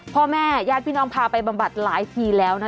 พ่อแม่ญาติพี่น้องพาไปบำบัดหลายทีแล้วนะ